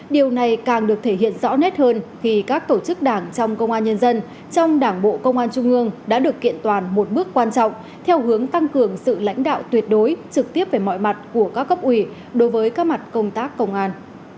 điều này càng được thể hiện rõ nét hơn khi các tổ chức đảng trong công an nhân dân trong đảng bộ công an trung ương đã được kiện toàn một bước quan trọng theo hướng tăng cường sự lãnh đạo tuyệt đối trực tiếp về mọi mặt của các cấp ủy đối với các mặt công tác công an